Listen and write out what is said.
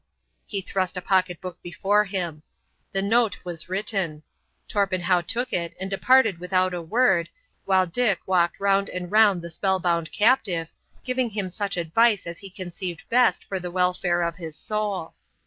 He thrust a pocket book before him. The note was written. Torpenhow took it and departed without a word, while Dick walked round and round the spellbound captive, giving him such advice as he conceived best for the welfare of his soul.